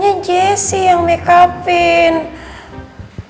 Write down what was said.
kalo ada jesi pasti elsa cuman makeupin nino